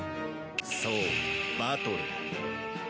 そうバトルだ。